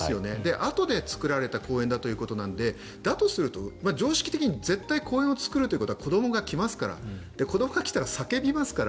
あとで作られた公園だということなので、だとすると常識的に絶対公園を作るということは子どもが来ますから子どもが来たら叫びますから。